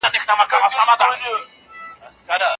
ټولنیز فشار اغیز نه لري.